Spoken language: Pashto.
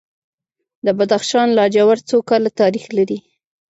د بدخشان لاجورد څو کاله تاریخ لري؟